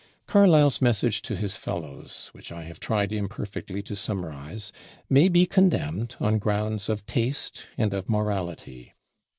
Carlyle's message to his fellows, which I have tried imperfectly to summarize, may be condemned on grounds of taste and of morality.